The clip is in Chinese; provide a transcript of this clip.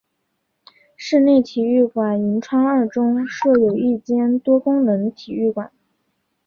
室内体育馆银川二中设有一间多功能体育馆。